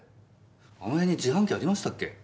あの辺に自販機ありましたっけ？